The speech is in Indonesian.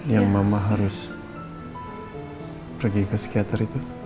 yang mama harus pergi ke psikiater itu